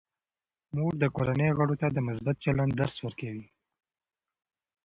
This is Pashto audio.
مور د کورنۍ غړو ته د مثبت چلند درس ورکوي.